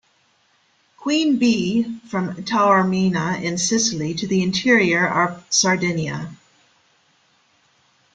Queen Bee, from Taormina in Sicily to the interior of Sardinia.